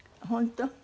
本当？